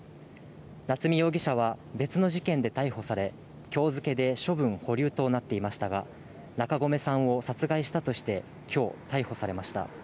夏見容疑者は別の事件で逮捕され、きょう付けで処分保留となっていましたが、中込さんを殺害したとしてきょう、逮捕されました。